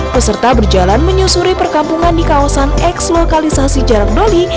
peserta berjalan menyusuri perkampungan di kawasan eks lokalisasi jarak doli